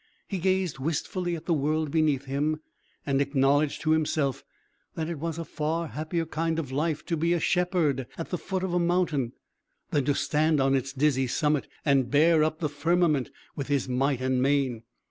He gazed wistfully at the world beneath him, and acknowledged to himself that it was a far happier kind of life to be a shepherd at the foot of a mountain than to stand on its dizzy summit and bear up the firmament with his might and main.